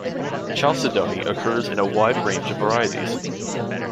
Chalcedony occurs in a wide range of varieties.